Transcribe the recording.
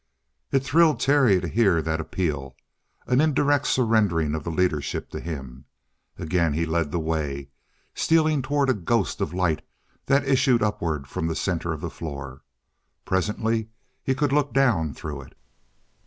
It thrilled Terry to hear that appeal an indirect surrendering of the leadership to him. Again he led the way, stealing toward a ghost of light that issued upward from the center of the floor. Presently he could look down through it.